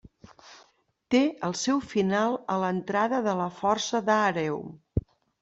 Té el seu final a l'entrada de la Força d'Àreu.